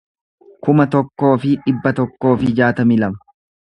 kuma tokkoo fi dhibba tokkoo fi jaatamii lama